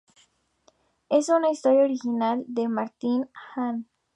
Es una historia original de Martín Hahn.